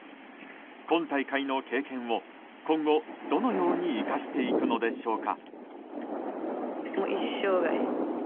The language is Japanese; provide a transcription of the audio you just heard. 今大会の経験を今後、どのように生かしていくのでしょうか。